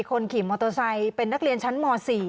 คนขี่มอเตอร์ไซค์เป็นนักเรียนชั้นม๔